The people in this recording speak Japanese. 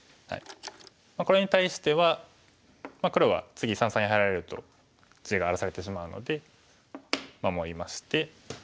これに対しては黒は次三々に入られると地が荒らされてしまうので守りまして。